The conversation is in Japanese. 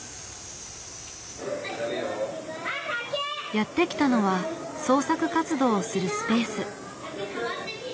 やって来たのは創作活動をするスペース。